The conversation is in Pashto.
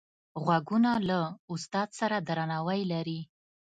غوږونه له استاد سره درناوی لري